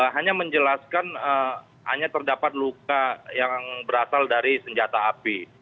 hanya menjelaskan hanya terdapat luka yang berasal dari senjata api